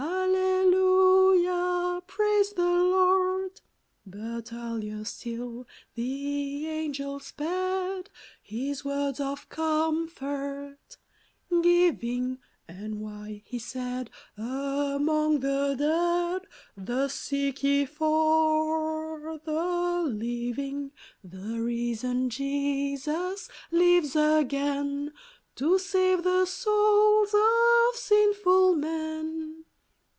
Alleluia ! Praise the Lord ! 12 But earlier still the angel sped, His words of comfort giving ;" And why," he said, " among the dead, Thus seek ye for the living ?" The risen Jesus lives again, To save the souls of sinful men.